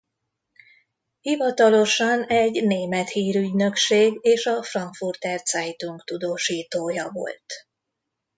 Hivatalosan egy német hírügynökség és a Frankfurter Zeitung tudósítója volt.